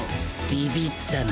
ビビったな。